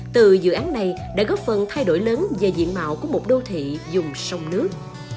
từ dự án này đã góp phần thay đổi lớn về diện mạo của một đô thị dùng sông nước